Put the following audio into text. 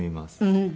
うん。